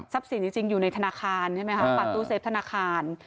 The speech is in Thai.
ทรัพย์สินจริงอยู่ในธนาคารใช่ไหมครับปาตู้เซฟธนาคาร